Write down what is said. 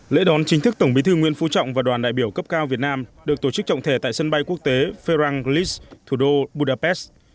lễ đón chính thức tổng bí thư nguyễn phú trọng và đoàn đại biểu cấp cao việt nam được tổ chức trọng thể tại sân bay quốc tế ferrangles thủ đô budapest